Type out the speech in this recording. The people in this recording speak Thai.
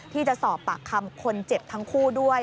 ที่จะสอบปากคำคนเจ็บทั้งคู่ด้วย